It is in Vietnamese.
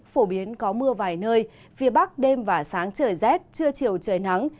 phổ biến có mưa vài nơi phía bắc đêm và sáng trời rét trưa chiều trời nắng